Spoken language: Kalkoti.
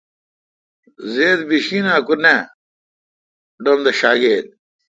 زیدہ بیشین اں کہ نہ ڈم داݭاگیل۔